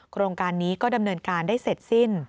โครงการนี้ก็ดำเนินการได้เสร็จสิ้น